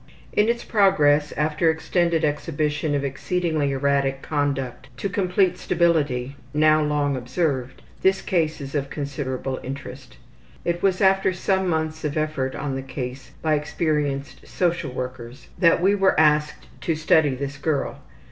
In its progress, after extended exhibition of exceedingly erratic conduct, to complete stability now long observed, this case is of considerable interest. It was after some months of effort on the case by experienced social workers that we were asked to study this girl.